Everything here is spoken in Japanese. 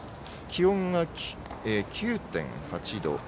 気温が９．８度。